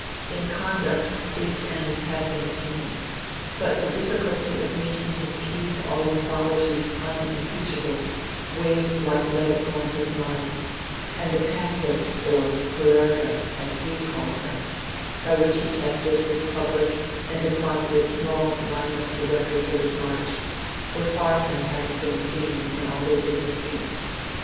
In conduct these ends had been attained; but the difficulty of making his Key to all Mythologies unimpeachable weighed like lead upon his mind; and the pamphlets—or "Parerga" as he called them—by which he tested his public and deposited small monumental records of his march, were far from having been seen in all their significance.